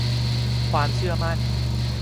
ความเชื่อมั่น